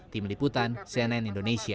tim liputan cnn indonesia